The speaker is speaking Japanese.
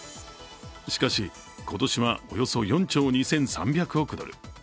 しかし、今年はおよそ４兆２３００億ドル。